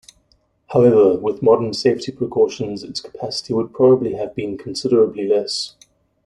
However, with modern safety precautions its capacity would probably have been considerably less.